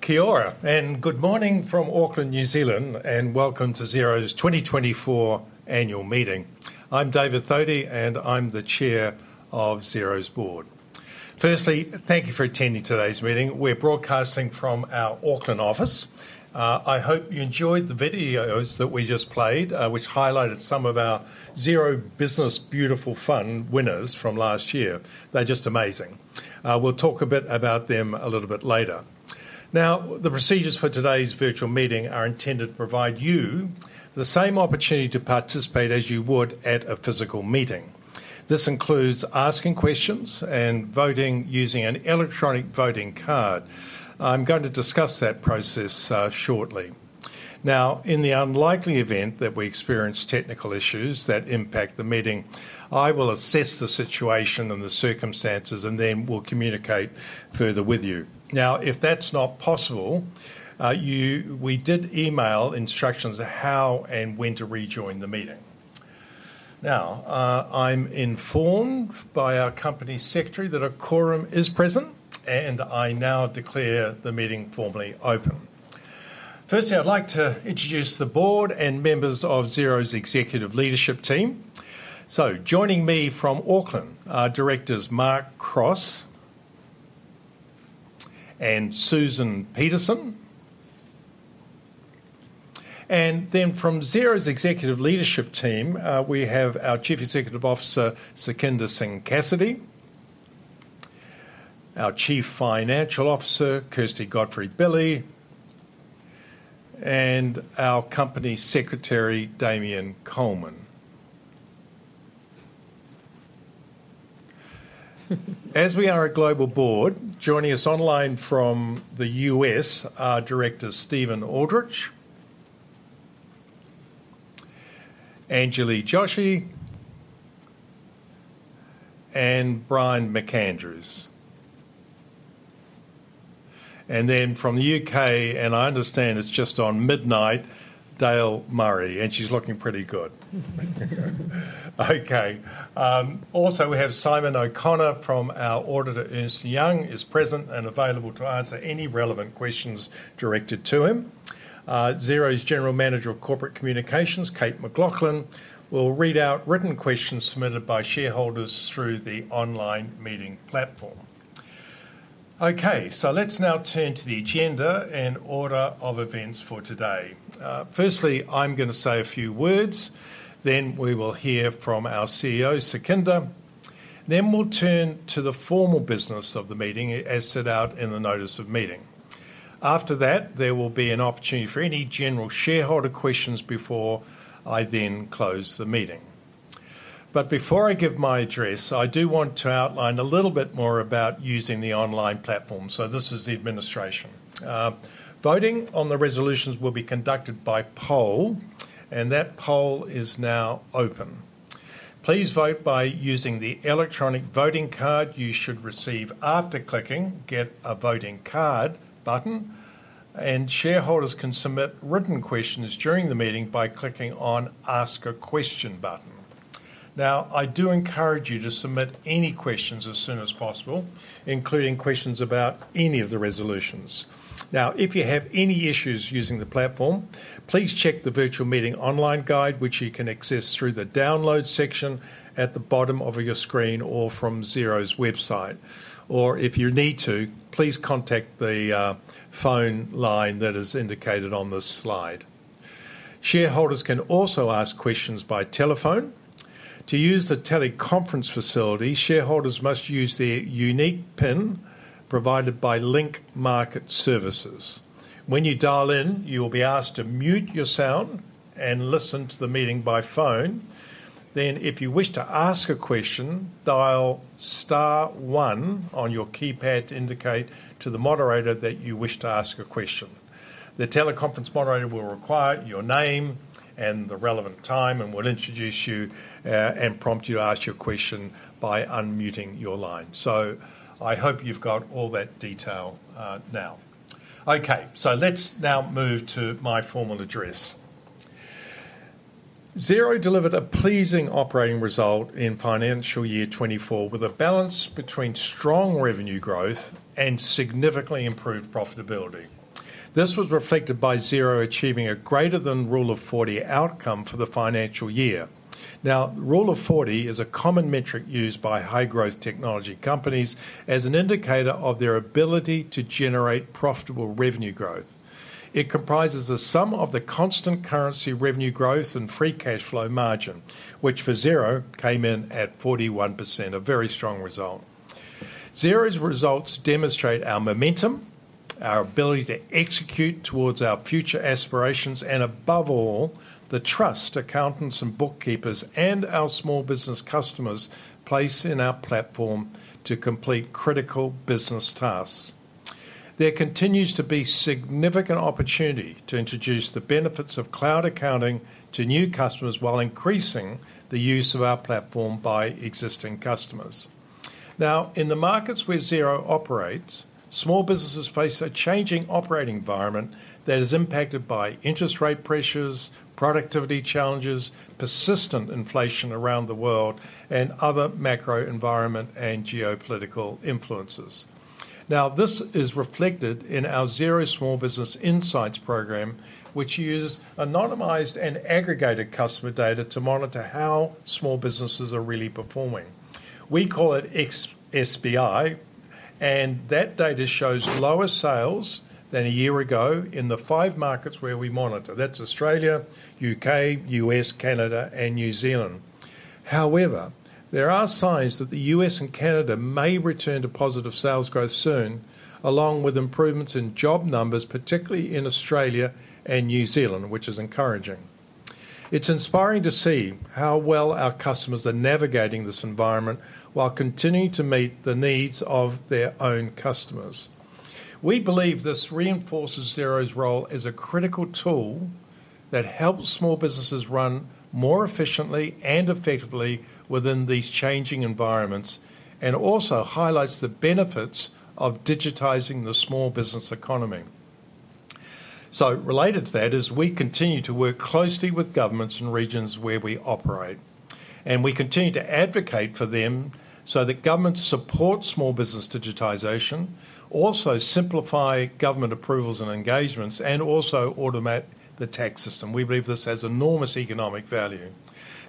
Kia ora, and good morning from Auckland, New Zealand, and welcome to Xero's twenty twenty-four annual meeting. I'm David Thodey, and I'm the Chair of Xero's board. Firstly, thank you for attending today's meeting. We're broadcasting from our Auckland office. I hope you enjoyed the videos that we just played, which highlighted some of our Xero Beautiful Business Fund winners from last year. They're just amazing. We'll talk a bit about them a little bit later. Now, the procedures for today's virtual meeting are intended to provide you the same opportunity to participate as you would at a physical meeting. This includes asking questions and voting using an electronic voting card. I'm going to discuss that process, shortly. Now, in the unlikely event that we experience technical issues that impact the meeting, I will assess the situation and the circumstances, and then we'll communicate further with you. Now, if that's not possible, we did email instructions on how and when to rejoin the meeting. Now, I'm informed by our company secretary that a quorum is present, and I now declare the meeting formally open. Firstly, I'd like to introduce the board and members of Xero's executive leadership team. So joining me from Auckland, are directors Mark Cross and Susan Peterson. And then from Xero's executive leadership team, we have our Chief Executive Officer, Sukhinder Singh Cassidy, our Chief Financial Officer, Kirsty Godfrey-Billy, and our Company Secretary, Damian Coleman. As we are a global board, joining us online from the U.S. are directors Steven Aldrich, Anjali Joshi, and Brian McAndrews. And then from the UK, and I understand it's just on midnight, Dale Murray, and she's looking pretty good. Okay, also, we have Simon O'Connor from our auditor, Ernst & Young, is present and available to answer any relevant questions directed to him. Xero's General Manager of Corporate Communications, Kate McLaughlin, will read out written questions submitted by shareholders through the online meeting platform. Okay, so let's now turn to the agenda and order of events for today. Firstly, I'm gonna say a few words, then we will hear from our CEO, Sukhinder. Then we'll turn to the formal business of the meeting as set out in the notice of meeting. After that, there will be an opportunity for any general shareholder questions before I then close the meeting. But before I give my address, I do want to outline a little bit more about using the online platform, so this is the administration. Voting on the resolutions will be conducted by poll, and that poll is now open. Please vote by using the electronic voting card you should receive after clicking Get a Voting Card button, and shareholders can submit written questions during the meeting by clicking on Ask a Question button. Now, I do encourage you to submit any questions as soon as possible, including questions about any of the resolutions. Now, if you have any issues using the platform, please check the virtual meeting online guide, which you can access through the download section at the bottom of your screen or from Xero's website. Or if you need to, please contact the phone line that is indicated on this slide. Shareholders can also ask questions by telephone. To use the teleconference facility, shareholders must use their unique PIN provided by Link Market Services. When you dial in, you will be asked to mute your sound and listen to the meeting by phone. Then, if you wish to ask a question, dial star one on your keypad to indicate to the moderator that you wish to ask a question. The teleconference moderator will require your name and the relevant time and will introduce you, and prompt you to ask your question by unmuting your line. So I hope you've got all that detail, now. Okay, so let's now move to my formal address. Xero delivered a pleasing operating result in financial year 2024, with a balance between strong revenue growth and significantly improved profitability. This was reflected by Xero achieving a greater than Rule of 40 outcome for the financial year. Now, Rule of 40 is a common metric used by high-growth technology companies as an indicator of their ability to generate profitable revenue growth. It comprises the sum of the constant currency, revenue growth, and free cash flow margin, which for Xero came in at 41%, a very strong result. Xero's results demonstrate our momentum, our ability to execute towards our future aspirations, and above all, the trust accountants and bookkeepers and our small business customers place in our platform to complete critical business tasks. There continues to be significant opportunity to introduce the benefits of cloud accounting to new customers while increasing the use of our platform by existing customers. Now, in the markets where Xero operates, small businesses face a changing operating environment that is impacted by interest rate pressures, productivity challenges, persistent inflation around the world, and other macro environment and geopolitical influences. Now, this is reflected in our Xero Small Business Insights program, which uses anonymized and aggregated customer data to monitor how small businesses are really performing. We call it XSBI, and that data shows lower sales than a year ago in the five markets where we monitor. That's Australia, U.K., U.S., Canada, and New Zealand. However, there are signs that the U.S. and Canada may return to positive sales growth soon, along with improvements in job numbers, particularly in Australia and New Zealand, which is encouraging. It's inspiring to see how well our customers are navigating this environment while continuing to meet the needs of their own customers. We believe this reinforces Xero's role as a critical tool that helps small businesses run more efficiently and effectively within these changing environments, and also highlights the benefits of digitizing the small business economy. Related to that, we continue to work closely with governments and regions where we operate, and we continue to advocate for them so that governments support small business digitization, also simplify government approvals and engagements, and also automate the tax system. We believe this has enormous economic value.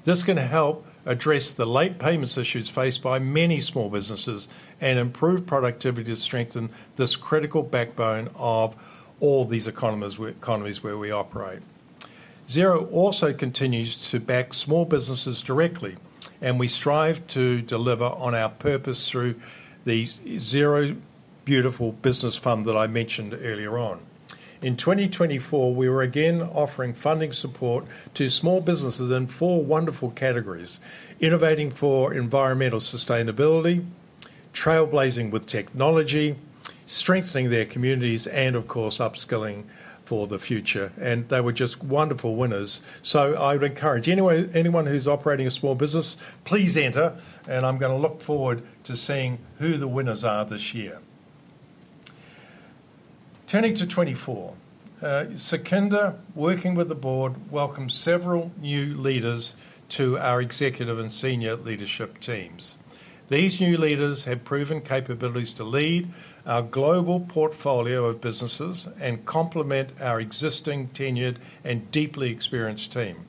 This can help address the late payments issues faced by many small businesses and improve productivity to strengthen this critical backbone of all these economies where we operate. Xero also continues to back small businesses directly, and we strive to deliver on our purpose through the Xero Beautiful Business Fund that I mentioned earlier on. In twenty twenty-four, we were again offering funding support to small businesses in four wonderful categories: innovating for environmental sustainability, trailblazing with technology, strengthening their communities, and of course, upskilling for the future. They were just wonderful winners. I would encourage anyone, anyone who's operating a small business, please enter, and I'm gonna look forward to seeing who the winners are this year. Turning to twenty-four, Sukhinder, working with the board, welcomed several new leaders to our executive and senior leadership teams. These new leaders have proven capabilities to lead our global portfolio of businesses and complement our existing tenured and deeply experienced team.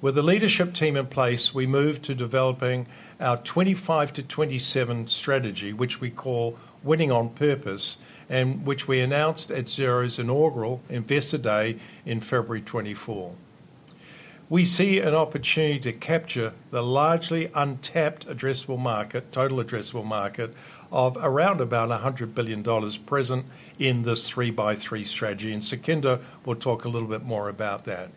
With the leadership team in place, we moved to developing our twenty-five to twenty-seven strategy, which we call Winning on Purpose, and which we announced at Xero's inaugural Investor Day in February twenty-four. We see an opportunity to capture the largely untapped addressable market, total addressable market, of around about $100 billion present in this three-by-three strategy, and Sukhinder will talk a little bit more about that.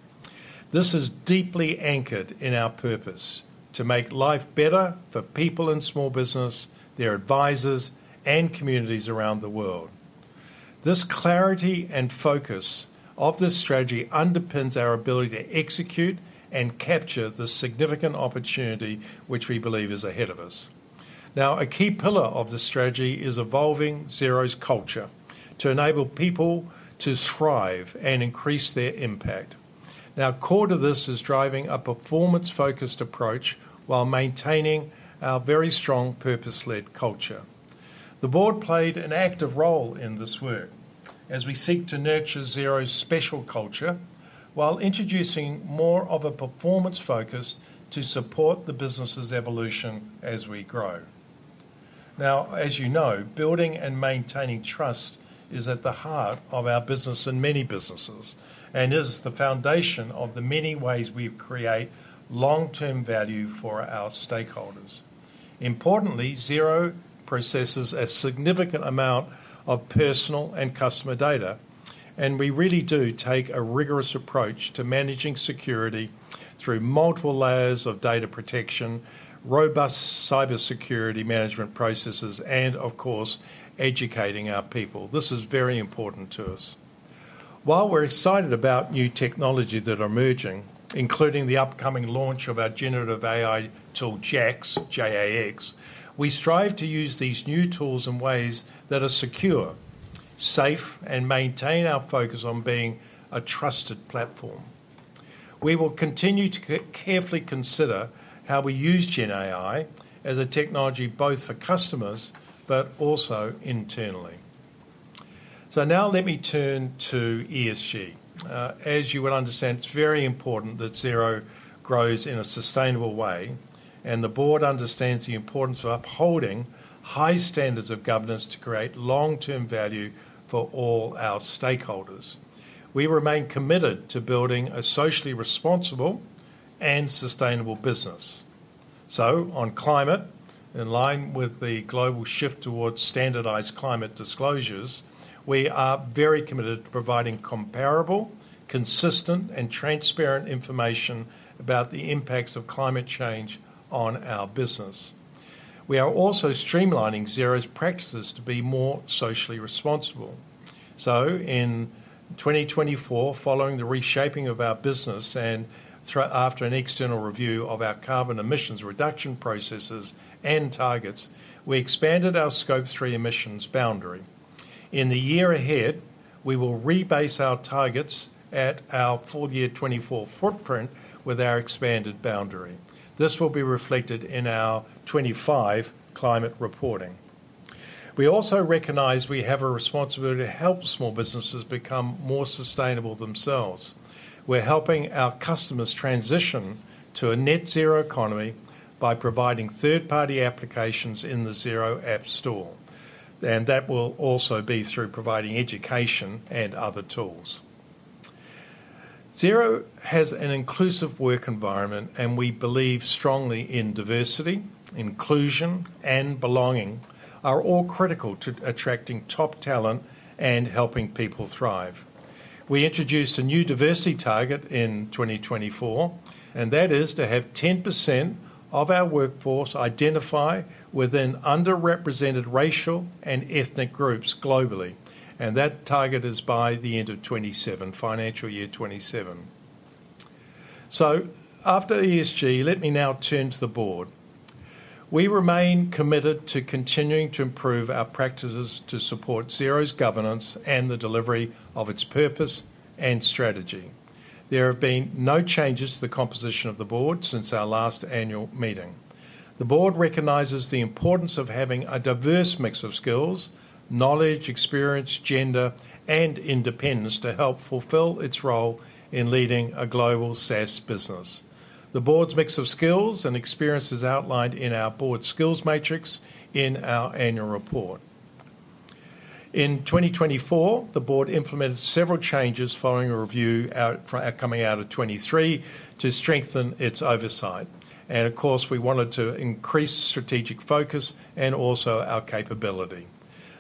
This is deeply anchored in our purpose: to make life better for people in small business, their advisors, and communities around the world. This clarity and focus of this strategy underpins our ability to execute and capture the significant opportunity which we believe is ahead of us. Now, a key pillar of this strategy is evolving Xero's culture to enable people to thrive and increase their impact. Now, core to this is driving a performance-focused approach while maintaining our very strong purpose-led culture. The board played an active role in this work as we seek to nurture Xero's special culture while introducing more of a performance focus to support the business's evolution as we grow. Now, as you know, building and maintaining trust is at the heart of our business and many businesses, and is the foundation of the many ways we create long-term value for our stakeholders. Importantly, Xero processes a significant amount of personal and customer data, and we really do take a rigorous approach to managing security through multiple layers of data protection, robust cybersecurity management processes, and of course, educating our people. This is very important to us. While we're excited about new technology that are emerging, including the upcoming launch of our generative AI tool, JAX, J-A-X, we strive to use these new tools in ways that are secure, safe, and maintain our focus on being a trusted platform. We will continue to carefully consider how we use Gen AI as a technology, both for customers, but also internally. So now let me turn to ESG. As you will understand, it's very important that Xero grows in a sustainable way, and the board understands the importance of upholding high standards of governance to create long-term value for all our stakeholders. We remain committed to building a socially responsible and sustainable business. So on climate, in line with the global shift towards standardized climate disclosures, we are very committed to providing comparable, consistent, and transparent information about the impacts of climate change on our business. We are also streamlining Xero's practices to be more socially responsible. So in twenty twenty-four, following the reshaping of our business after an external review of our carbon emissions reduction processes and targets, we expanded our Scope 3 emissions boundaries. In the year ahead, we will rebase our targets at our full year 2024 footprint with our expanded boundary. This will be reflected in our 2025 climate reporting. We also recognize we have a responsibility to help small businesses become more sustainable themselves. We're helping our customers transition to a Net Zero economy by providing third-party applications in the Xero App Store, and that will also be through providing education and other tools. Xero has an inclusive work environment, and we believe strongly in diversity, inclusion, and belonging are all critical to attracting top talent and helping people thrive. We introduced a new diversity target in 2024, and that is to have 10% of our workforce identify within underrepresented racial and ethnic groups globally, and that target is by the end of 2027, financial year 2027. So after ESG, let me now turn to the board. We remain committed to continuing to improve our practices to support Xero's governance and the delivery of its purpose and strategy. There have been no changes to the composition of the board since our last annual meeting. The board recognizes the importance of having a diverse mix of skills, knowledge, experience, gender, and independence to help fulfill its role in leading a global SaaS business. The board's mix of skills and experience is outlined in our Board Skills Matrix in our annual report. In 2024, the board implemented several changes following a review coming out of 2023 to strengthen its oversight. And of course, we wanted to increase strategic focus and also our capability.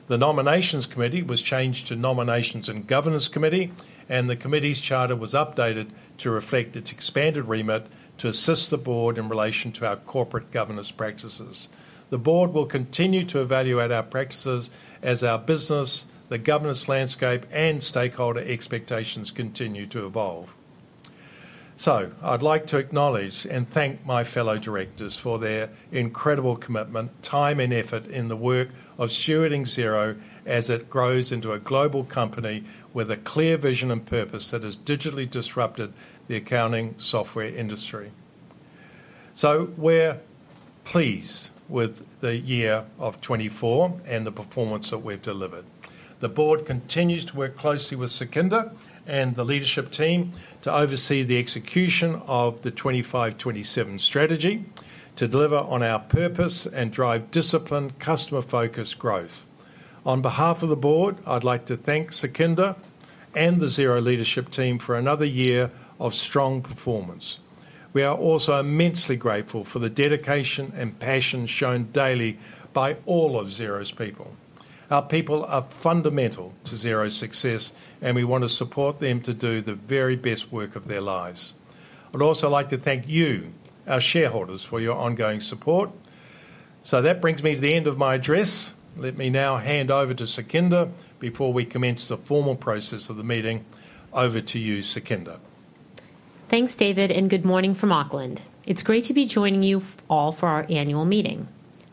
The Nominations Committee was changed to Nominations and Governance Committee, and the committee's charter was updated to reflect its expanded remit to assist the board in relation to our corporate governance practices. The board will continue to evaluate our practices as our business, the governance landscape, and stakeholder expectations continue to evolve. So I'd like to acknowledge and thank my fellow directors for their incredible commitment, time, and effort in the work of stewarding Xero as it grows into a global company with a clear vision and purpose that has digitally disrupted the accounting software industry. So we're pleased with the year of 2024 and the performance that we've delivered. The board continues to work closely with Sukhinder and the leadership team to oversee the execution of the 25-27 strategy, to deliver on our purpose, and drive disciplined, customer-focused growth. On behalf of the board, I'd like to thank Sukhinder and the Xero leadership team for another year of strong performance. We are also immensely grateful for the dedication and passion shown daily by all of Xero's people. Our people are fundamental to Xero's success, and we want to support them to do the very best work of their lives. I'd also like to thank you, our shareholders, for your ongoing support. So that brings me to the end of my address. Let me now hand over to Sukhinder before we commence the formal process of the meeting. Over to you, Sukhinder. Thanks, David, and good morning from Auckland. It's great to be joining you all for our annual meeting.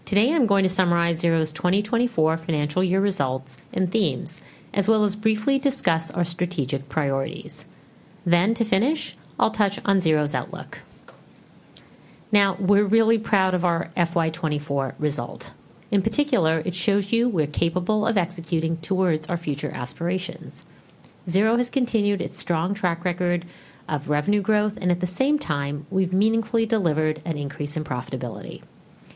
Today, I'm going to summarize Xero's 2024 financial year results and themes, as well as briefly discuss our strategic priorities. Then to finish, I'll touch on Xero's outlook. Now, we're really proud of our FY '24 result. In particular, it shows you we're capable of executing towards our future aspirations. Xero has continued its strong track record of revenue growth, and at the same time, we've meaningfully delivered an increase in profitability.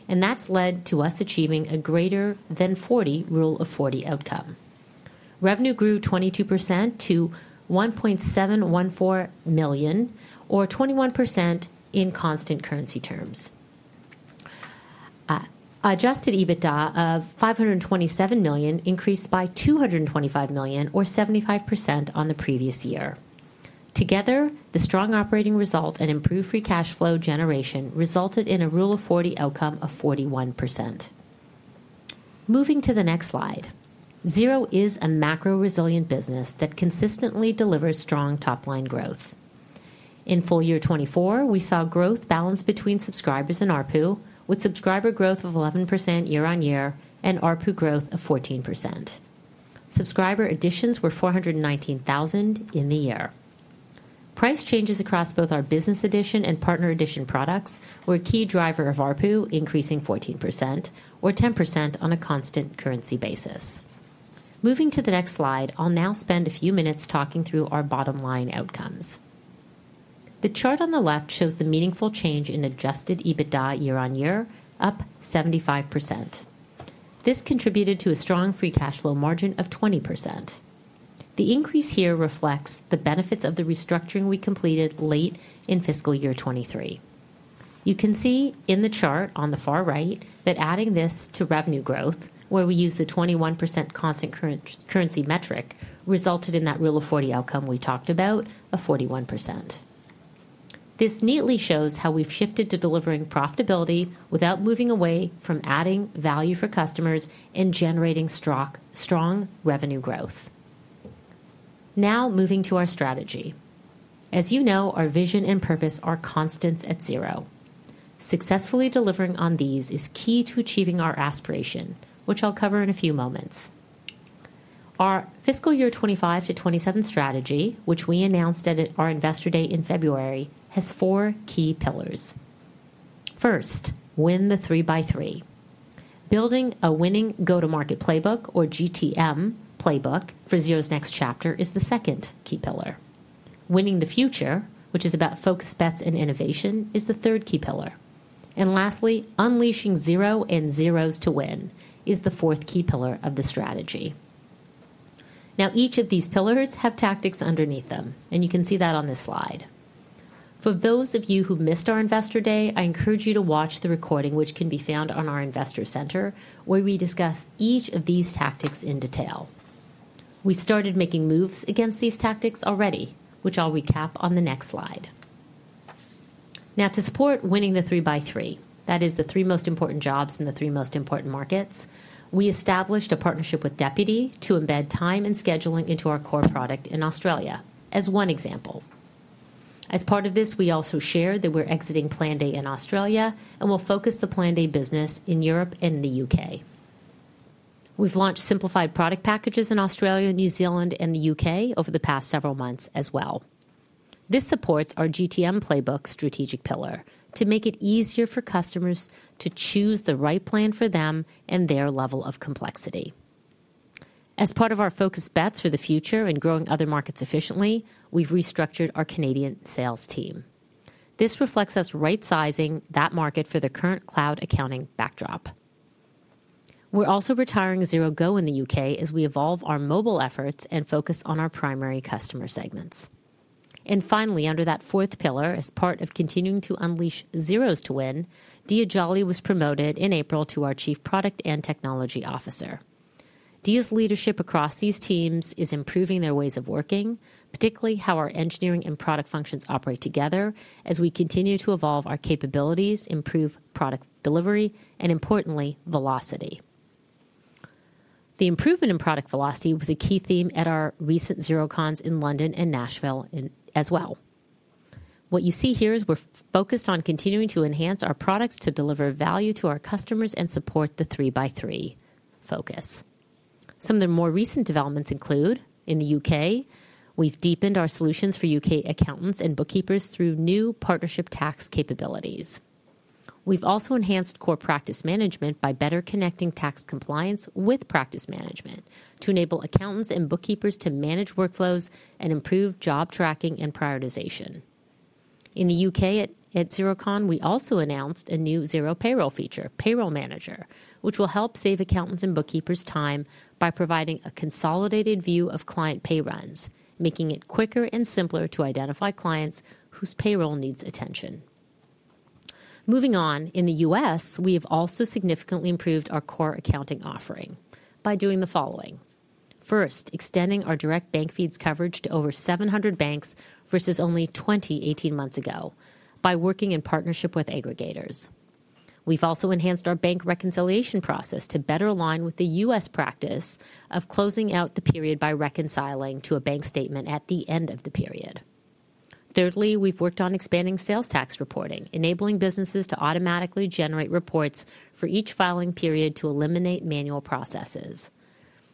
And that's led to us achieving a greater than 40 Rule of 40 outcome. Revenue grew 22% to 1,714 million or 21% in constant currency terms. Adjusted EBITDA of 527 million increased by 225 million, or 75% on the previous year. Together, the strong operating result and improved free cash flow generation resulted in a Rule of 40 outcome of 41%. Moving to the next slide, Xero is a macro-resilient business that consistently delivers strong top-line growth. In full year 2024, we saw growth balanced between subscribers and ARPU, with subscriber growth of 11% year on year and ARPU growth of 14%. Subscriber additions were 419,000 in the year. Price changes across both our business edition and partner edition products were a key driver of ARPU, increasing 14% or 10% on a constant currency basis. Moving to the next slide, I'll now spend a few minutes talking through our bottom line outcomes. The chart on the left shows the meaningful change in adjusted EBITDA year on year, up 75%. This contributed to a strong free cash flow margin of 20%. The increase here reflects the benefits of the restructuring we completed late in fiscal year 2023. You can see in the chart on the far right, that adding this to revenue growth, where we use the 21% constant currency metric, resulted in that Rule of 40 outcome we talked about of 41%. This neatly shows how we've shifted to delivering profitability without moving away from adding value for customers and generating strong, strong revenue growth. Now moving to our strategy. As you know, our vision and purpose are constants at Xero. Successfully delivering on these is key to achieving our aspiration, which I'll cover in a few moments. Our fiscal year 2025 to 2027 strategy, which we announced at our Investor Day in February, has four key pillars. First, win the Three by Three. Building a winning go-to-market playbook or GTM playbook for Xero's next chapter is the second key pillar. Winning the future, which is about focused bets and innovation, is the third key pillar. And lastly, Unleashing Xeros to win is the fourth key pillar of the strategy. Now, each of these pillars have tactics underneath them, and you can see that on this slide. For those of you who missed our Investor Day, I encourage you to watch the recording, which can be found on our Investor Center, where we discuss each of these tactics in detail. We started making moves against these tactics already, which I'll recap on the next slide. Now, to support winning the three by three, that is the three most important jobs in the three most important markets, we established a partnership with Deputy to embed time and scheduling into our core product in Australia, as one example. As part of this, we also shared that we're exiting Planday in Australia, and we'll focus the Planday business in Europe and the UK. We've launched simplified product packages in Australia, New Zealand, and the UK over the past several months as well. This supports our GTM playbook strategic pillar to make it easier for customers to choose the right plan for them and their level of complexity. As part of our focused bets for the future and growing other markets efficiently, we've restructured our Canadian sales team. This reflects us right-sizing that market for the current cloud accounting backdrop. We're also retiring Xero Go in the UK as we evolve our mobile efforts and focus on our primary customer segments. And finally, under that fourth pillar, as part of continuing to unleash Xeros to win, Diya Jolly was promoted in April to our Chief Product and Technology Officer. Diya's leadership across these teams is improving their ways of working, particularly how our engineering and product functions operate together, as we continue to evolve our capabilities, improve product delivery, and importantly, velocity. The improvement in product velocity was a key theme at our recent XeroCons in London and Nashville as well. What you see here is we're focused on continuing to enhance our products to deliver value to our customers and support the Three by Three focus. Some of the more recent developments include: in the UK, we've deepened our solutions for UK accountants and bookkeepers through new partnership tax capabilities. We've also enhanced core practice management by better connecting tax compliance with practice management to enable accountants and bookkeepers to manage workflows and improve job tracking and prioritization. In the UK, at XeroCon, we also announced a new Xero payroll feature, Payroll Manager, which will help save accountants' and bookkeepers' time by providing a consolidated view of client pay runs, making it quicker and simpler to identify clients whose payroll needs attention. Moving on, in the US, we have also significantly improved our core accounting offering by doing the following: First, extending our direct bank feeds coverage to over seven hundred banks versus only twenty, 18 months ago by working in partnership with aggregators. We've also enhanced our bank reconciliation process to better align with the U.S. practice of closing out the period by reconciling to a bank statement at the end of the period. Thirdly, we've worked on expanding sales tax reporting, enabling businesses to automatically generate reports for each filing period to eliminate manual processes.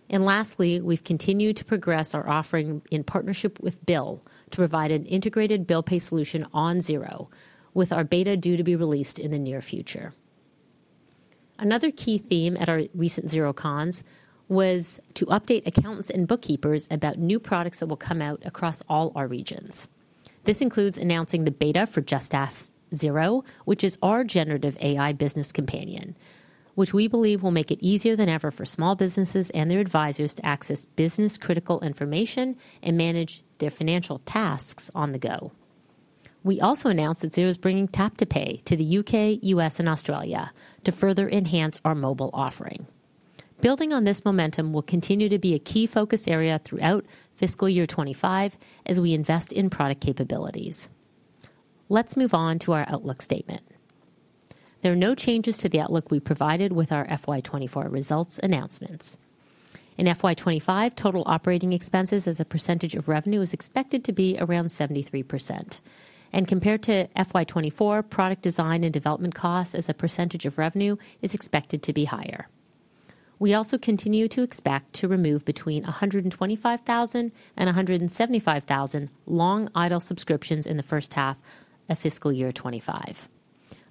And lastly, we've continued to progress our offering in partnership with Bill to provide an integrated bill pay solution on Xero, with our beta due to be released in the near future. Another key theme at our recent XeroCons was to update accountants and bookkeepers about new products that will come out across all our regions. This includes announcing the beta for Just Ask Xero, which is our generative AI business companion, which we believe will make it easier than ever for small businesses and their advisors to access business-critical information and manage their financial tasks on the go. We also announced that Xero is bringing Tap to pay to the UK, US, and Australia to further enhance our mobile offering. Building on this momentum will continue to be a key focus area throughout fiscal year 2025 as we invest in product capabilities. Let's move on to our outlook statement. There are no changes to the outlook we provided with our FY 2024 results announcements. In FY 2025, total operating expenses as a percentage of revenue is expected to be around 73%, and compared to FY 2024, product design and development costs as a percentage of revenue is expected to be higher. We also continue to expect to remove between 125,000 and 175,000 long-idle subscriptions in the first half of fiscal year 2025.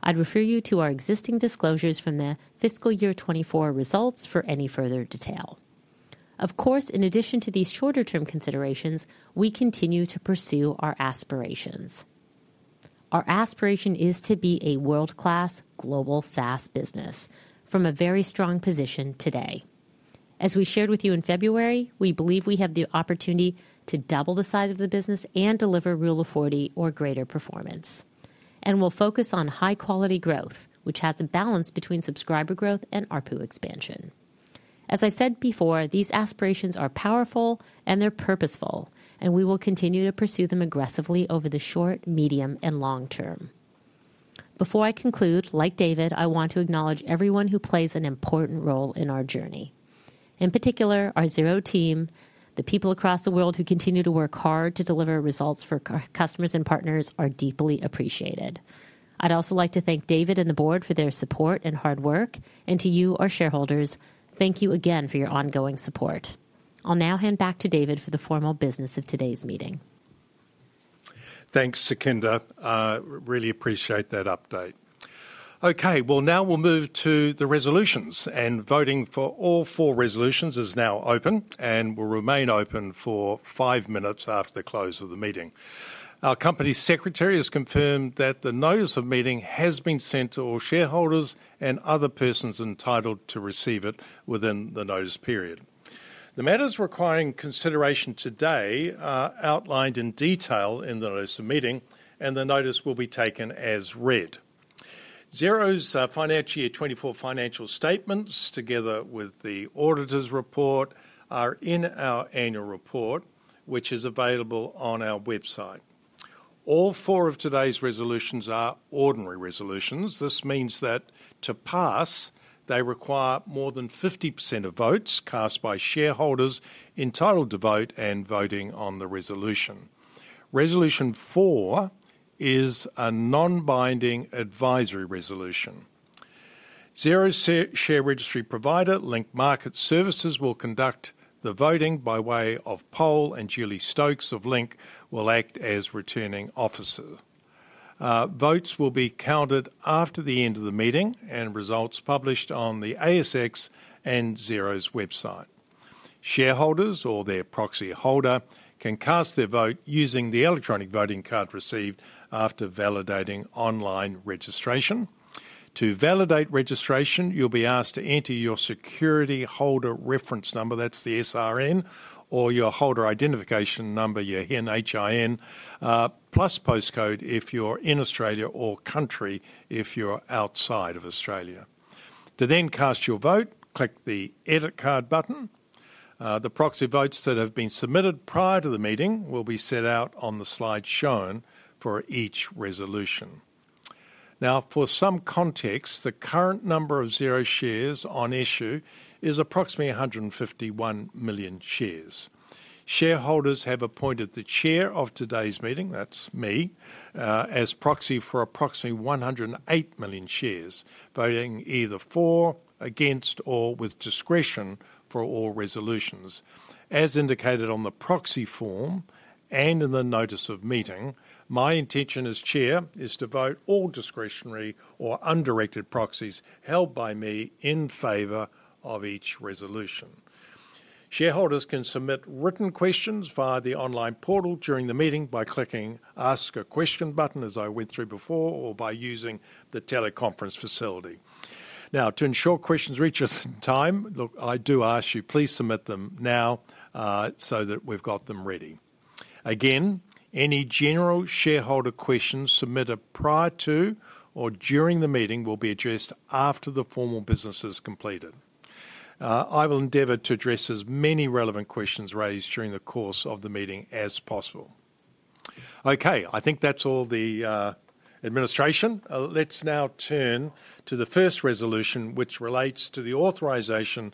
I'd refer you to our existing disclosures from the fiscal year 2024 results for any further detail. Of course, in addition to these shorter-term considerations, we continue to pursue our aspirations. Our aspiration is to be a world-class global SaaS business from a very strong position today. As we shared with you in February, we believe we have the opportunity to double the size of the business and deliver Rule of 40 or greater performance. We'll focus on high-quality growth, which has a balance between subscriber growth and ARPU expansion. As I've said before, these aspirations are powerful, and they're purposeful, and we will continue to pursue them aggressively over the short, medium, and long term.... Before I conclude, like David, I want to acknowledge everyone who plays an important role in our journey. In particular, our Xero team, the people across the world who continue to work hard to deliver results for customers and partners are deeply appreciated. I'd also like to thank David and the board for their support and hard work, and to you, our shareholders, thank you again for your ongoing support. I'll now hand back to David for the formal business of today's meeting. Thanks, Sukhinder. Really appreciate that update. Okay, well, now we'll move to the resolutions, and voting for all four resolutions is now open and will remain open for five minutes after the close of the meeting. Our company secretary has confirmed that the notice of meeting has been sent to all shareholders and other persons entitled to receive it within the notice period. The matters requiring consideration today are outlined in detail in the notice of meeting, and the notice will be taken as read. Xero's financial year twenty-four financial statements, together with the auditor's report, are in our annual report, which is available on our website. All four of today's resolutions are ordinary resolutions. This means that to pass, they require more than 50% of votes cast by shareholders entitled to vote and voting on the resolution. Resolution four is a non-binding advisory resolution. Xero's share registry provider, Link Market Services, will conduct the voting by way of poll, and Julie Stokes of Link will act as returning officer. Votes will be counted after the end of the meeting, and results published on the ASX and Xero's website. Shareholders or their proxy holder can cast their vote using the electronic voting card received after validating online registration. To validate registration, you'll be asked to enter your security holder reference number, that's the SRN, or your holder identification number, your HIN, plus postcode if you're in Australia or country if you're outside of Australia. To then cast your vote, click the Edit Card button. The proxy votes that have been submitted prior to the meeting will be set out on the slide shown for each resolution. Now, for some context, the current number of Xero shares on issue is approximately a hundred and fifty-one million shares. Shareholders have appointed the chair of today's meeting, that's me, as proxy for approximately one hundred and eight million shares, voting either for, against, or with discretion for all resolutions. As indicated on the proxy form and in the notice of meeting, my intention as chair is to vote all discretionary or undirected proxies held by me in favor of each resolution. Shareholders can submit written questions via the online portal during the meeting by clicking Ask a Question button, as I went through before, or by using the teleconference facility. Now, to ensure questions reach us in time, look, I do ask you, please submit them now, so that we've got them ready. Again, any general shareholder questions submitted prior to or during the meeting will be addressed after the formal business is completed. I will endeavor to address as many relevant questions raised during the course of the meeting as possible. Okay, I think that's all the administration. Let's now turn to the first resolution, which relates to the authorization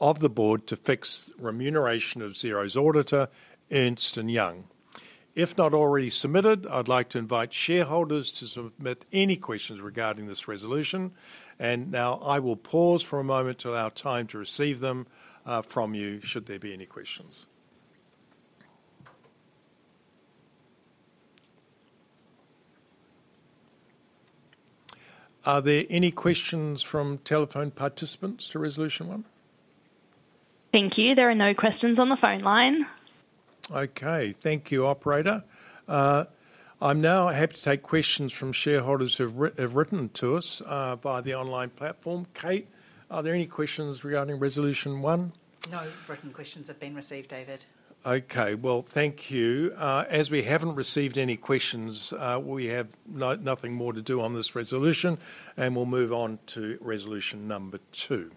of the board to fix remuneration of Xero's auditor, Ernst & Young. If not already submitted, I'd like to invite shareholders to submit any questions regarding this resolution, and now I will pause for a moment to allow time to receive them from you, should there be any questions. Are there any questions from telephone participants to Resolution One? Thank you. There are no questions on the phone line. Okay. Thank you, operator. I'm now happy to take questions from shareholders who've written to us via the online platform. Kate, are there any questions regarding Resolution One? No written questions have been received, David. Okay, well, thank you. As we haven't received any questions, we have nothing more to do on this resolution, and we'll move on to resolution number two.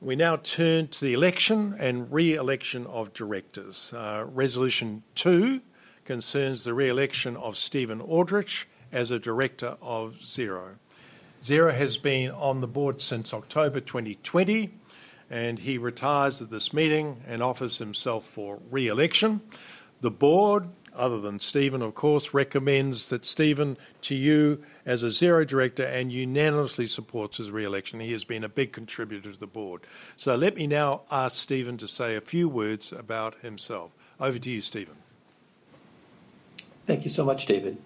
We now turn to the election and re-election of directors. Resolution two concerns the re-election of Steven Aldrich as a director of Xero. Steven has been on the board since October twenty twenty, and he retires at this meeting and offers himself for re-election. The board, other than Steven, of course, recommends Steven to you as a Xero director and unanimously supports his re-election. He has been a big contributor to the board. So let me now ask Steven to say a few words about himself. Over to you, Steven. Thank you so much, David.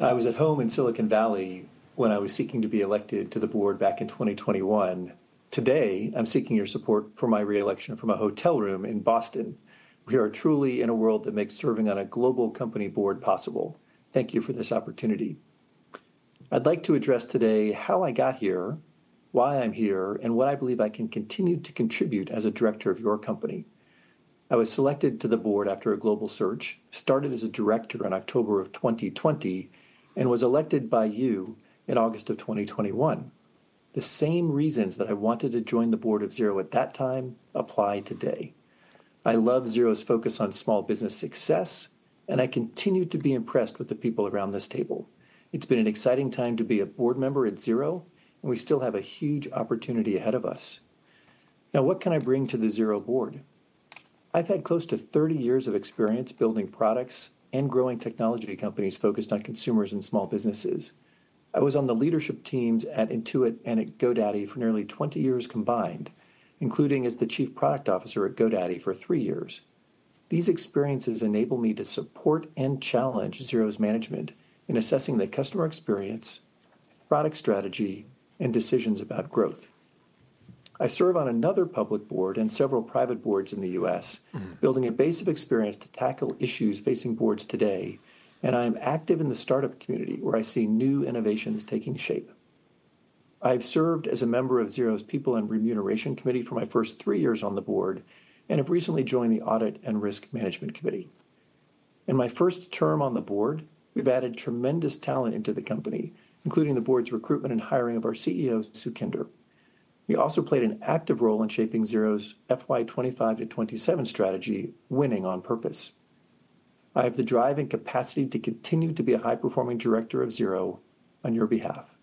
I was at home in Silicon Valley when I was seeking to be elected to the board back in twenty twenty-one. Today, I'm seeking your support for my re-election from a hotel room in Boston. We are truly in a world that makes serving on a global company board possible. Thank you for this opportunity. I'd like to address today how I got here, why I'm here, and what I believe I can continue to contribute as a director of your company. I was selected to the board after a global search, started as a director in October of twenty twenty, and was elected by you in August of twenty twenty-one. The same reasons that I wanted to join the board of Xero at that time apply today... I love Xero's focus on small business success, and I continue to be impressed with the people around this table. It's been an exciting time to be a board member at Xero, and we still have a huge opportunity ahead of us. Now, what can I bring to the Xero board? I've had close to thirty years of experience building products and growing technology companies focused on consumers and small businesses. I was on the leadership teams at Intuit and at GoDaddy for nearly twenty years combined, including as the Chief Product Officer at GoDaddy for three years. These experiences enable me to support and challenge Xero's management in assessing the customer experience, product strategy, and decisions about growth. I serve on another public board and several private boards in the U.S., building a base of experience to tackle issues facing boards today, and I am active in the startup community, where I see new innovations taking shape. I've served as a member of Xero's People and Remuneration Committee for my first three years on the board and have recently joined the Audit and Risk Management Committee. In my first term on the board, we've added tremendous talent into the company, including the board's recruitment and hiring of our CEO, Sukhinder. We also played an active role in shaping Xero's FY 2025 to 2027 strategy, Winning on Purpose. I have the drive and capacity to continue to be a high-performing director of Xero on your behalf.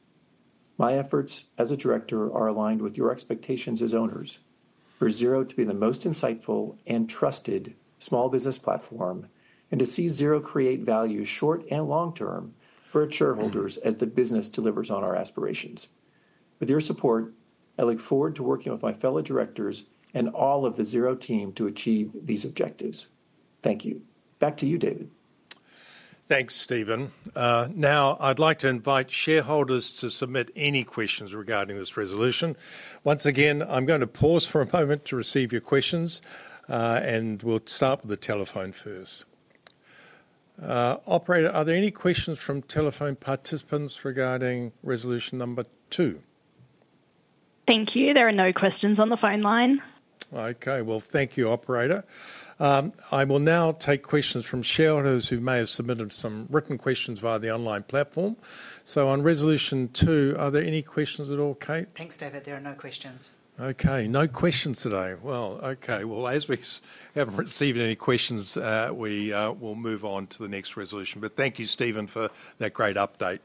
My efforts as a director are aligned with your expectations as owners, for Xero to be the most insightful and trusted small business platform, and to see Xero create value short and long term for its shareholders as the business delivers on our aspirations. With your support, I look forward to working with my fellow directors and all of the Xero team to achieve these objectives. Thank you. Back to you, David. Thanks, Steven. Now I'd like to invite shareholders to submit any questions regarding this resolution. Once again, I'm going to pause for a moment to receive your questions, and we'll start with the telephone first. Operator, are there any questions from telephone participants regarding resolution number two? Thank you. There are no questions on the phone line. Okay. Well, thank you, operator. I will now take questions from shareholders who may have submitted some written questions via the online platform. So on resolution two, are there any questions at all, Kate? Thanks, David. There are no questions. Okay, no questions today. Well, okay. Well, as we haven't received any questions, we will move on to the next resolution. But thank you, Steven, for that great update.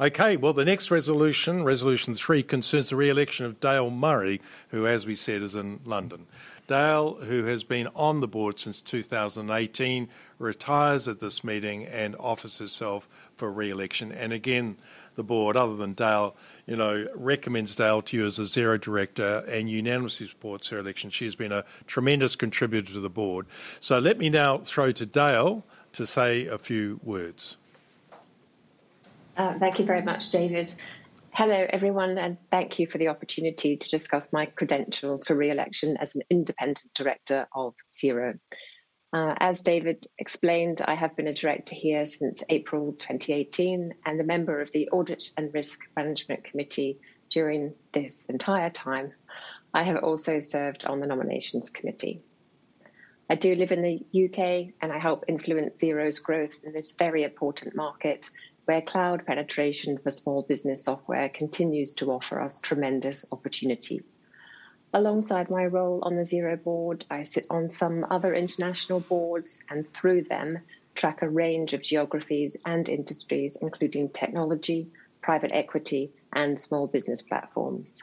Okay, well, the next resolution, resolution three, concerns the re-election of Dale Murray, who, as we said, is in London. Dale, who has been on the board since 2018, retires at this meeting and offers herself for re-election. And again, the board, other than Dale, you know, recommends Dale to you as a Xero director and unanimously supports her election. She has been a tremendous contributor to the board. So let me now throw to Dale to say a few words. Thank you very much, David. Hello, everyone, and thank you for the opportunity to discuss my credentials for re-election as an independent director of Xero. As David explained, I have been a director here since April 2018 and a member of the Audit and Risk Management Committee during this entire time. I have also served on the Nominations Committee. I do live in the UK, and I help influence Xero's growth in this very important market, where cloud penetration for small business software continues to offer us tremendous opportunity. Alongside my role on the Xero board, I sit on some other international boards and through them, track a range of geographies and industries, including technology, private equity, and small business platforms.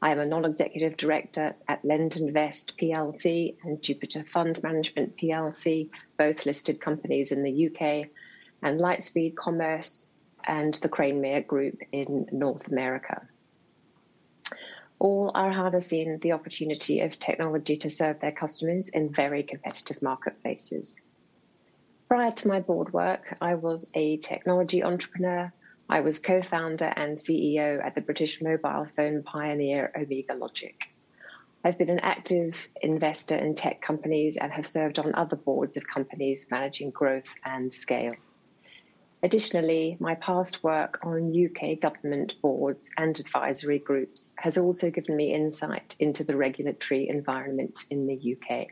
I am a non-executive director at LendInvest PLC and Jupiter Fund Management PLC, both listed companies in the UK, and Lightspeed Commerce and The Cranemere Group in North America. All are harnessing the opportunity of technology to serve their customers in very competitive marketplaces. Prior to my board work, I was a technology entrepreneur. I was co-founder and CEO at the British mobile phone pioneer, Omega Logic. I've been an active investor in tech companies and have served on other boards of companies managing growth and scale. Additionally, my past work on UK government boards and advisory groups has also given me insight into the regulatory environment in the UK.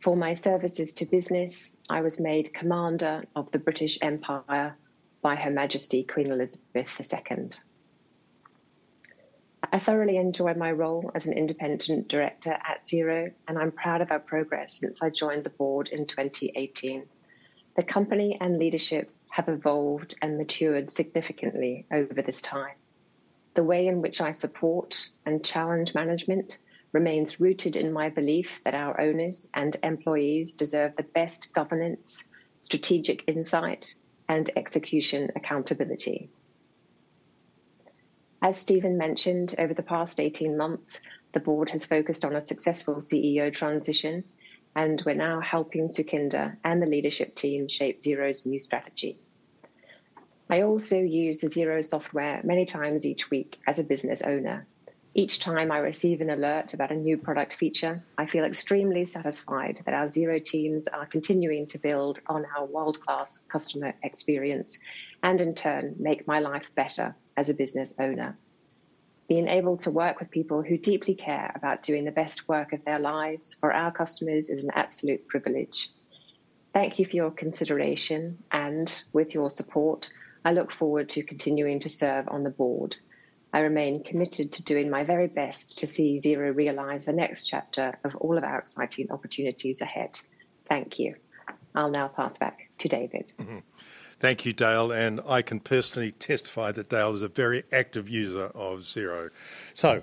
For my services to business, I was made Commander of the British Empire by Her Majesty Queen Elizabeth II. I thoroughly enjoy my role as an independent director at Xero, and I'm proud of our progress since I joined the board in 2018. The company and leadership have evolved and matured significantly over this time. The way in which I support and challenge management remains rooted in my belief that our owners and employees deserve the best governance, strategic insight, and execution accountability. As Steven mentioned, over the past 18 months, the board has focused on a successful CEO transition, and we're now helping Sukhinder and the leadership team shape Xero's new strategy. I also use the Xero software many times each week as a business owner. Each time I receive an alert about a new product feature, I feel extremely satisfied that our Xero teams are continuing to build on our world-class customer experience and in turn, make my life better as a business owner. Being able to work with people who deeply care about doing the best work of their lives for our customers is an absolute privilege. Thank you for your consideration, and with your support, I look forward to continuing to serve on the board. I remain committed to doing my very best to see Xero realize the next chapter of all of our exciting opportunities ahead. Thank you. I'll now pass back to David. Thank you, Dale, and I can personally testify that Dale is a very active user of Xero.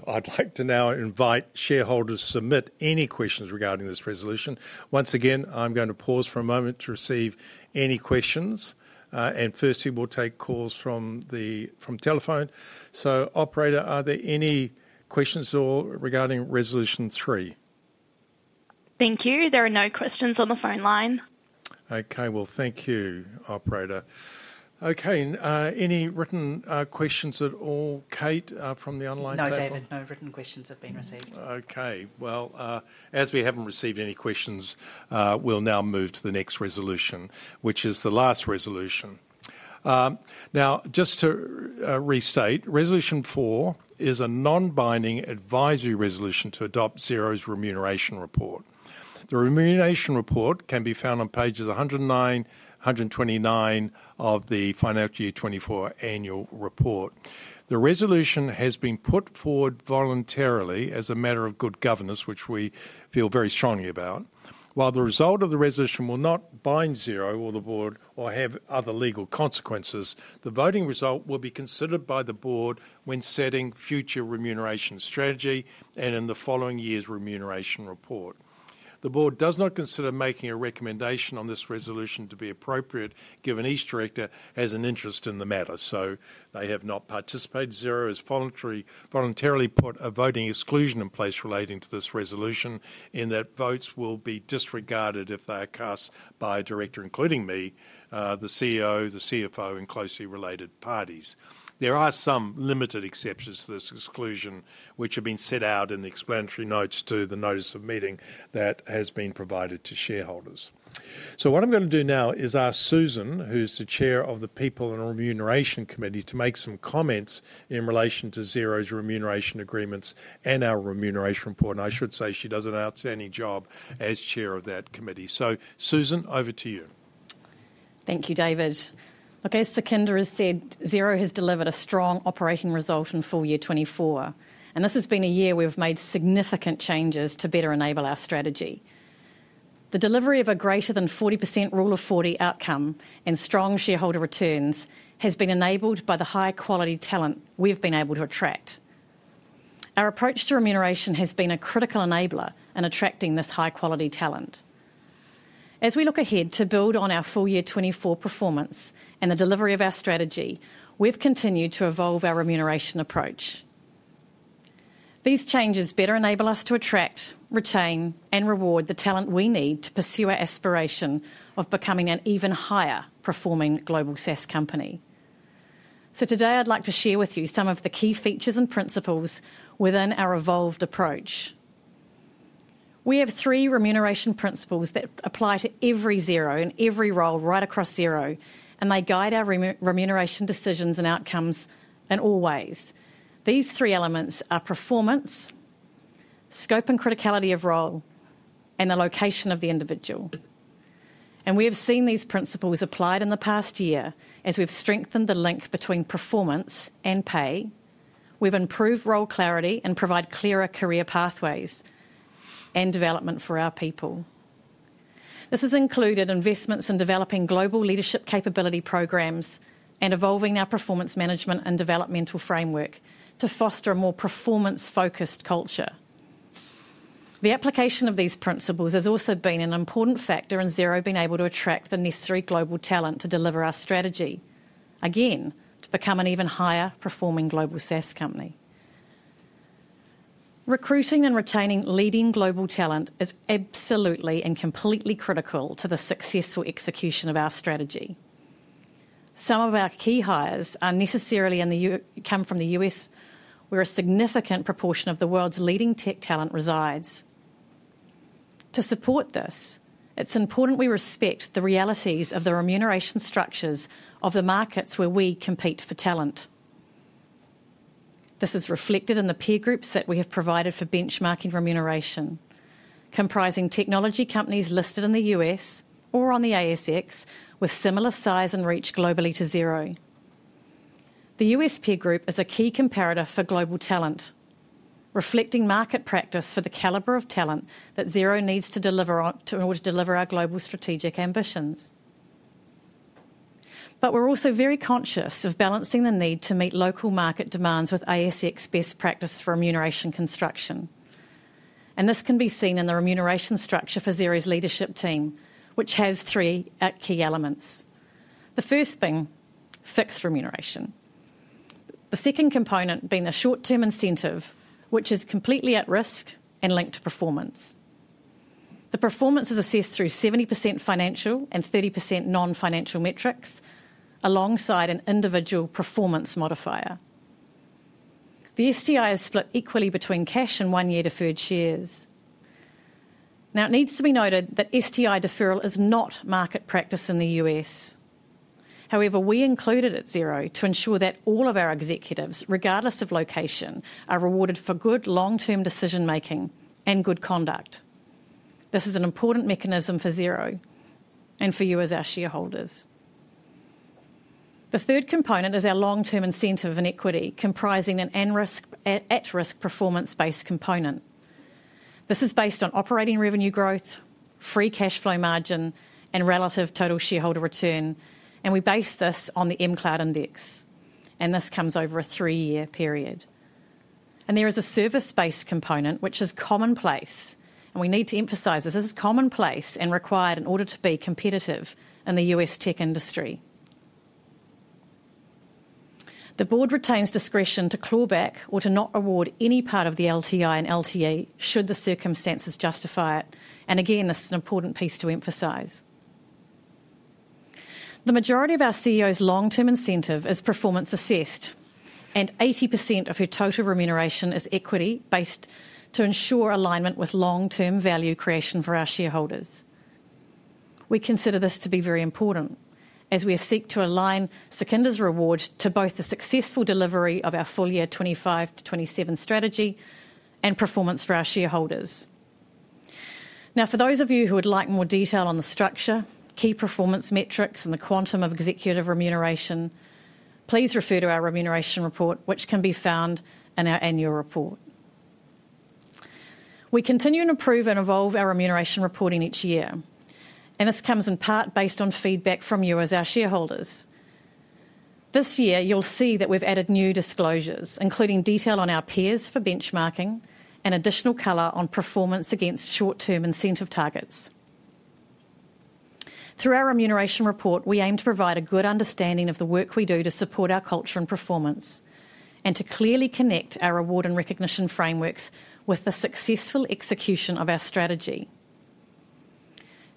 I'd like to now invite shareholders to submit any questions regarding this resolution. Once again, I'm going to pause for a moment to receive any questions. And firstly, we'll take calls from the telephone. Operator, are there any questions at all regarding Resolution three? Thank you. There are no questions on the phone line. Okay, well, thank you, operator. Okay, and any written questions at all, Kate, from the online platform? No, David, no written questions have been received. Okay. Well, as we haven't received any questions, we'll now move to the next resolution, which is the last resolution. Now, just to restate, Resolution four is a non-binding advisory resolution to adopt Xero's Remuneration Report. The Remuneration Report can be found on pages one hundred and nine, hundred and twenty-nine of the financial year 2024 Annual Report. The resolution has been put forward voluntarily as a matter of good governance, which we feel very strongly about. While the result of the resolution will not bind Xero or the board or have other legal consequences, the voting result will be considered by the board when setting future remuneration strategy and in the following year's Remuneration Report. The board does not consider making a recommendation on this resolution to be appropriate, given each director has an interest in the matter, so they have not participated. Xero has voluntarily put a voting exclusion in place relating to this resolution, in that votes will be disregarded if they are cast by a director, including me, the CEO, the CFO, and closely related parties. There are some limited exceptions to this exclusion, which have been set out in the explanatory notes to the notice of meeting that has been provided to shareholders, so what I'm going to do now is ask Susan, who's the Chair of the People and Remuneration Committee, to make some comments in relation to Xero's remuneration agreements and our Remuneration Report, and I should say she does an outstanding job as chair of that committee. So, Susan, over to you. Thank you, David. Okay, so Kirsty has said Xero has delivered a strong operating result in full year 2024, and this has been a year we've made significant changes to better enable our strategy. The delivery of a greater than 40% Rule of 40 outcome and strong shareholder returns has been enabled by the high-quality talent we've been able to attract. Our approach to remuneration has been a critical enabler in attracting this high-quality talent. As we look ahead to build on our full year 2024 performance and the delivery of our strategy, we've continued to evolve our remuneration approach. These changes better enable us to attract, retain, and reward the talent we need to pursue our aspiration of becoming an even higher-performing global SaaS company. So today, I'd like to share with you some of the key features and principles within our evolved approach. We have three remuneration principles that apply to every Xero and every role right across Xero, and they guide our remuneration decisions and outcomes in all ways. These three elements are performance, scope and criticality of role, and the location of the individual. We have seen these principles applied in the past year as we've strengthened the link between performance and pay. We've improved role clarity and provide clearer career pathways and development for our people. This has included investments in developing global leadership capability programs and evolving our performance management and developmental framework to foster a more performance-focused culture. The application of these principles has also been an important factor in Xero being able to attract the necessary global talent to deliver our strategy, again, to become an even higher-performing global SaaS company. Recruiting and retaining leading global talent is absolutely and completely critical to the successful execution of our strategy. Some of our key hires are necessarily come from the U.S., where a significant proportion of the world's leading tech talent resides. To support this, it's important we respect the realities of the remuneration structures of the markets where we compete for talent. This is reflected in the peer groups that we have provided for benchmarking remuneration, comprising technology companies listed in the U.S. or on the ASX with similar size and reach globally to Xero. The U.S. peer group is a key comparator for global talent, reflecting market practice for the caliber of talent that Xero needs to deliver in order to deliver our global strategic ambitions. But we're also very conscious of balancing the need to meet local market demands with ASX best practice for remuneration construction, and this can be seen in the remuneration structure for Xero's leadership team, which has three key elements. The first being fixed remuneration. The second component being a short-term incentive, which is completely at risk and linked to performance. The performance is assessed through 70% financial and 30% non-financial metrics, alongside an individual performance modifier. The STI is split equally between cash and one-year deferred shares. Now, it needs to be noted that STI deferral is not market practice in the U.S. However, we included it at Xero to ensure that all of our executives, regardless of location, are rewarded for good long-term decision-making and good conduct. This is an important mechanism for Xero and for you as our shareholders. The third component is our long-term incentive and equity, comprising an at-risk performance-based component. This is based on operating revenue growth, free cash flow margin, and relative total shareholder return, and we base this on the EMCLOUD Index, and this comes over a three-year period, and there is a service-based component, which is commonplace, and we need to emphasize this and required in order to be competitive in the U.S. tech industry. The board retains discretion to claw back or to not award any part of the LTI and LTA should the circumstances justify it, and again, this is an important piece to emphasize. The majority of our CEO's long-term incentive is performance assessed, and 80% of her total remuneration is equity-based to ensure alignment with long-term value creation for our shareholders. We consider this to be very important as we seek to align Sukhinder's reward to both the successful delivery of our full year 2025 to 2027 strategy and performance for our shareholders. Now, for those of you who would like more detail on the structure, key performance metrics, and the quantum of executive remuneration, please refer to our remuneration report, which can be found in our annual report. We continue to improve and evolve our remuneration reporting each year, and this comes in part based on feedback from you as our shareholders. This year, you'll see that we've added new disclosures, including detail on our peers for benchmarking and additional color on performance against short-term incentive targets. Through our remuneration report, we aim to provide a good understanding of the work we do to support our culture and performance, and to clearly connect our award and recognition frameworks with the successful execution of our strategy.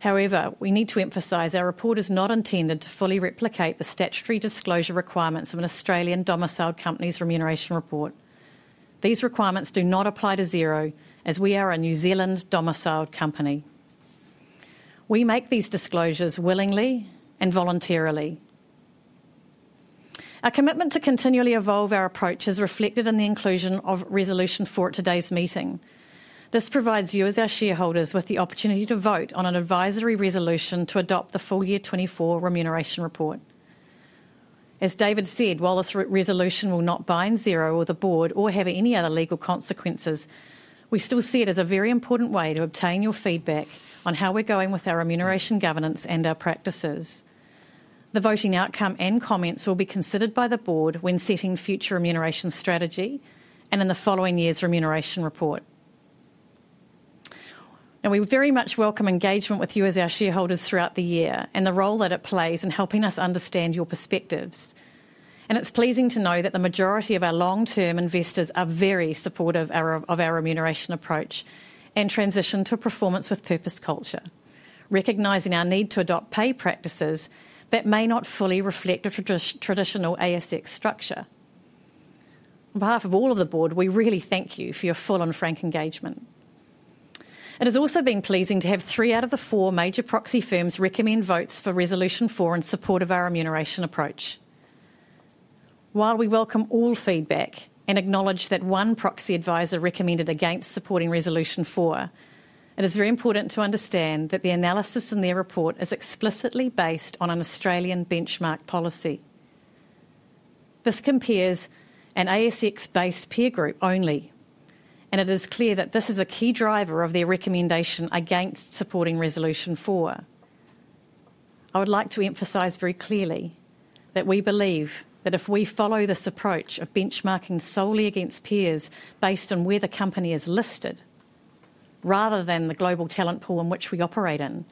However, we need to emphasize our report is not intended to fully replicate the statutory disclosure requirements of an Australian-domiciled company's remuneration report. These requirements do not apply to Xero, as we are a New Zealand-domiciled company. We make these disclosures willingly and voluntarily. Our commitment to continually evolve our approach is reflected in the inclusion of Resolution Four at today's meeting. This provides you, as our shareholders, with the opportunity to vote on an advisory resolution to adopt the full year twenty-four remuneration report. As David said, while this resolution will not bind Xero or the board or have any other legal consequences, we still see it as a very important way to obtain your feedback on how we're going with our remuneration governance and our practices. The voting outcome and comments will be considered by the Board when setting future remuneration strategy and in the following year's remuneration report. Now, we very much welcome engagement with you as our shareholders throughout the year and the role that it plays in helping us understand your perspectives, and it's pleasing to know that the majority of our long-term investors are very supportive of our remuneration approach and transition to a Performance with Purpose culture, recognizing our need to adopt pay practices that may not fully reflect a traditional ASX structure. On behalf of all of the board, we really thank you for your full and frank engagement. It has also been pleasing to have three out of the four major proxy firms recommend votes for Resolution Four in support of our remuneration approach. While we welcome all feedback and acknowledge that one proxy advisor recommended against supporting Resolution Four, it is very important to understand that the analysis in their report is explicitly based on an Australian benchmark policy. This compares an ASX-based peer group only, and it is clear that this is a key driver of their recommendation against supporting Resolution Four. I would like to emphasize very clearly that we believe that if we follow this approach of benchmarking solely against peers based on where the company is listed, rather than the global talent pool in which we operate in,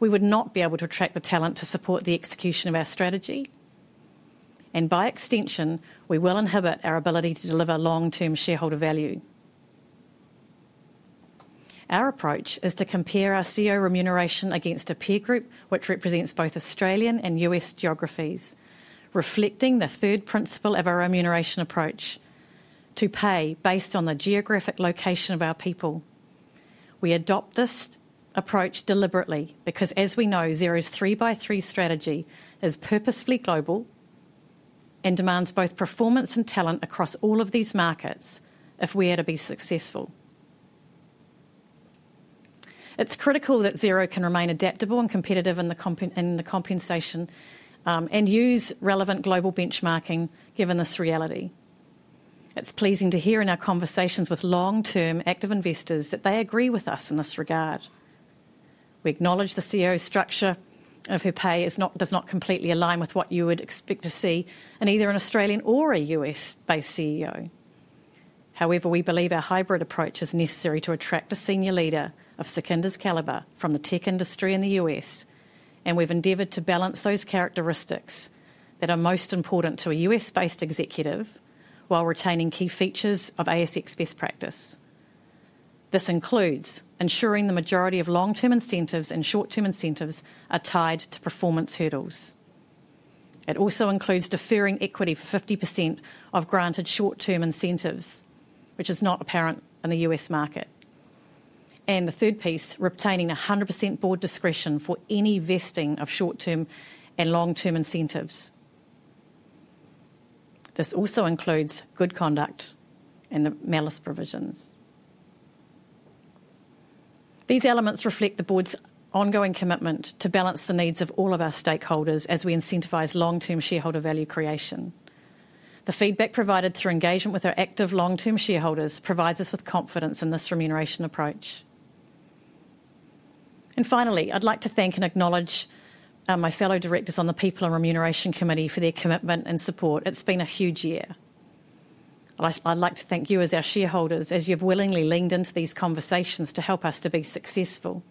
we would not be able to attract the talent to support the execution of our strategy, and by extension, we will inhibit our ability to deliver long-term shareholder value. Our approach is to compare our CEO remuneration against a peer group which represents both Australian and U.S. geographies, reflecting the third principle of our remuneration approach: to pay based on the geographic location of our people. We adopt this approach deliberately because, as we know, Xero's three-by-three strategy is purposefully global and demands both performance and talent across all of these markets if we are to be successful. It's critical that Xero can remain adaptable and competitive in the compensation, and use relevant global benchmarking, given this reality. It's pleasing to hear in our conversations with long-term active investors that they agree with us in this regard. We acknowledge the CEO's structure of her pay does not completely align with what you would expect to see in either an Australian or a US-based CEO. However, we believe our hybrid approach is necessary to attract a senior leader of Sukhinder's caliber from the tech industry in the US, and we've endeavored to balance those characteristics that are most important to a US-based executive while retaining key features of ASX best practice. This includes ensuring the majority of long-term incentives and short-term incentives are tied to performance hurdles. It also includes deferring equity for 50% of granted short-term incentives, which is not apparent in the U.S. market, and the third piece, retaining 100% board discretion for any vesting of short-term and long-term incentives. This also includes good conduct and the malus provisions. These elements reflect the board's ongoing commitment to balance the needs of all of our stakeholders as we incentivize long-term shareholder value creation. The feedback provided through engagement with our active long-term shareholders provides us with confidence in this remuneration approach. Finally, I'd like to thank and acknowledge my fellow directors on the People and Remuneration Committee for their commitment and support. It's been a huge year. I'd like to thank you as our shareholders, as you've willingly leaned into these conversations to help us to be successful.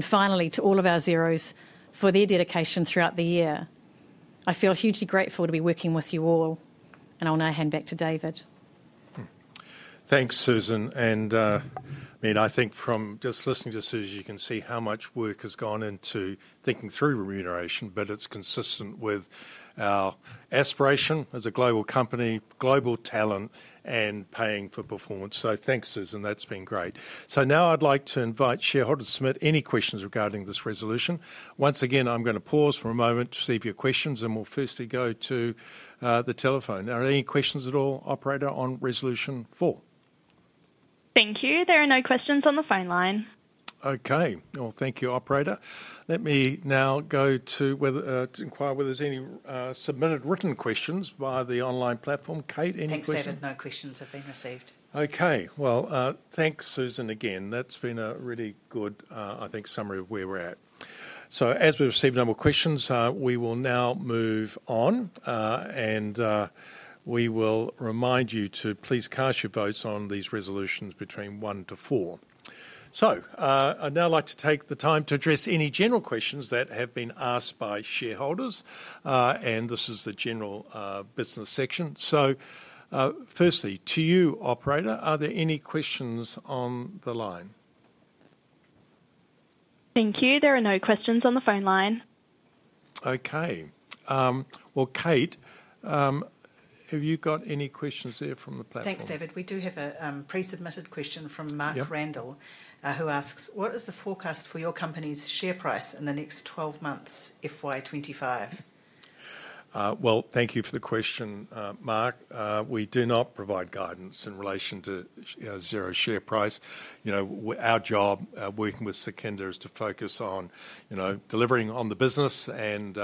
Finally, to all of our Xeros for their dedication throughout the year. I feel hugely grateful to be working with you all, and I'll now hand back to David. Thanks, Susan, and, I mean, I think from just listening to Susan, you can see how much work has gone into thinking through remuneration, but it's consistent with our aspiration as a global company, global talent, and paying for performance. So thanks, Susan. That's been great. So now I'd like to invite shareholders to submit any questions regarding this resolution. Once again, I'm gonna pause for a moment to receive your questions, and we'll firstly go to the telephone. Are there any questions at all, operator, on Resolution Four? Thank you. There are no questions on the phone line. Okay. Well, thank you, operator. Let me now go to whether to inquire whether there's any submitted written questions via the online platform. Kate, any questions? Thanks, David. No questions have been received. Okay. Well, thanks, Susan, again. That's been a really good, I think, summary of where we're at. So as we've received no more questions, we will now move on, and, we will remind you to please cast your votes on these resolutions between one to four. So, I'd now like to take the time to address any general questions that have been asked by shareholders, and this is the general, business section. So, firstly, to you, operator, are there any questions on the line? Thank you. There are no questions on the phone line. Okay. Well, Kate, have you got any questions there from the platform? Thanks, David. We do have a pre-submitted question from Mark- Yep... Randall, who asks, "What is the forecast for your company's share price in the next twelve months, FY twenty-five? Well, thank you for the question, Mark. We do not provide guidance in relation to Xero share price. You know, our job, working with Sukhinder is to focus on, you know, delivering on the business and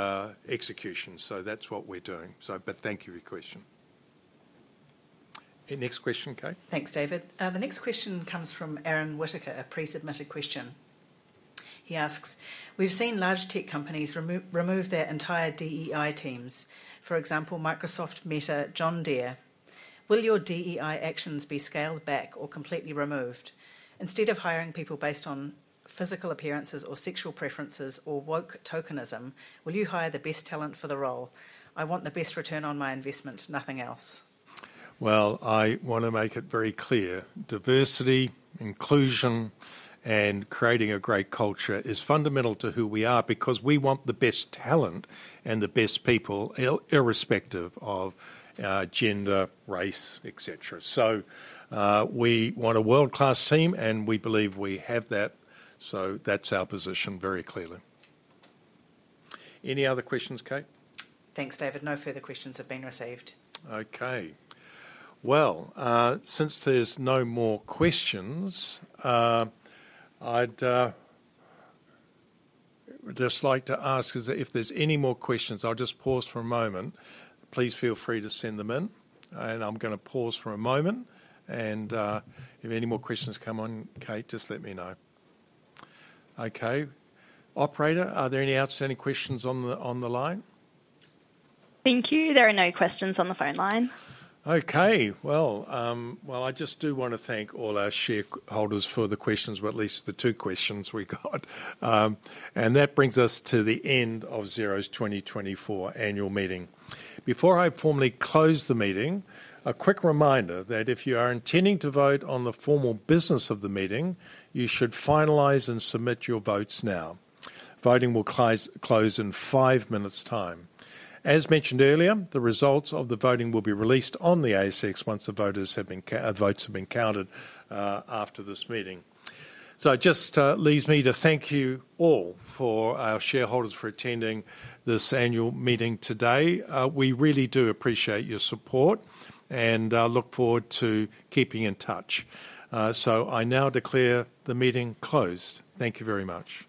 execution, so that's what we're doing. So but thank you for your question. Any next question, Kate? Thanks, David. The next question comes from Aaron Whitaker, a pre-submitted question. He asks: "We've seen large tech companies remove their entire DEI teams, for example, Microsoft, Meta, John Deere. Will your DEI actions be scaled back or completely removed? Instead of hiring people based on physical appearances or sexual preferences or woke tokenism, will you hire the best talent for the role? I want the best return on my investment, nothing else. I want to make it very clear, diversity, inclusion, and creating a great culture is fundamental to who we are because we want the best talent and the best people, irrespective of gender, race, et cetera. We want a world-class team, and we believe we have that, so that's our position very clearly. Any other questions, Kate? Thanks, David. No further questions have been received. Okay. Well, since there's no more questions, I'd just like to ask is if there's any more questions, I'll just pause for a moment. Please feel free to send them in, and I'm gonna pause for a moment, and if any more questions come on, Kate, just let me know. Okay. Operator, are there any outstanding questions on the line? Thank you. There are no questions on the phone line. Okay. Well, I just do wanna thank all our shareholders for the questions, or at least the two questions we got. And that brings us to the end of Xero's 2024 annual meeting. Before I formally close the meeting, a quick reminder that if you are intending to vote on the formal business of the meeting, you should finalize and submit your votes now. Voting will close in five minutes' time. As mentioned earlier, the results of the voting will be released on the ASX once the votes have been counted, after this meeting. So it just leaves me to thank you all, our shareholders for attending this annual meeting today. We really do appreciate your support and look forward to keeping in touch. So I now declare the meeting closed. Thank you very much.